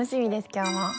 今日も。